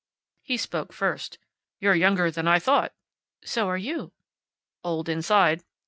He spoke first. "You're younger than I thought." "So are you." "Old inside."